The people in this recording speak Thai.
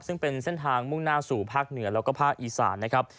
ซึ่งเป็นเส้นทางมุ่งหน้าสู่ภาคเหนือแล้วก็ภาคอีสานนะครับ